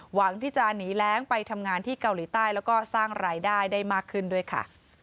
หวังที่จะหนีแรงไปทำงานที่เกาหลีใต้แล้วก็สร้างรายได้ได้มากขึ้นด้วยค่ะ